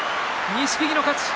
錦木の勝ち。